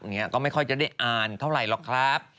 ที่ก็ไม่ค่อยจะได้อ่านเท่าไรหรอกครับ